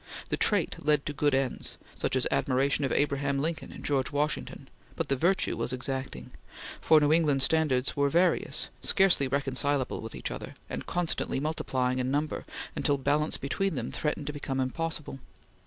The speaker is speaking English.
The trait led to good ends such as admiration of Abraham Lincoln and George Washington but the virtue was exacting; for New England standards were various, scarcely reconcilable with each other, and constantly multiplying in number, until balance between them threatened to become impossible.